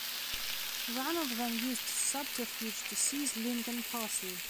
Ranulf then used subterfuge to seize Lincoln Castle.